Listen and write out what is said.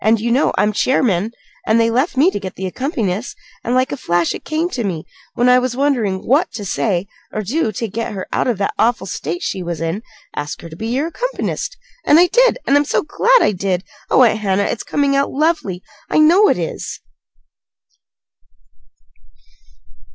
You know I'm chairman, and they left me to get the accompanist; and like a flash it came to me, when I was wondering what to say or do to get her out of that awful state she was in 'Ask her to be your accompanist.' And I did. And I'm so glad I did! Oh, Aunt Hannah, it's coming out lovely! I know it is."